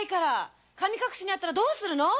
神隠しに遭ったらどうするの？